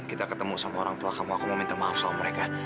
kita ketemu sama orang tua kamu aku mau minta maaf sama mereka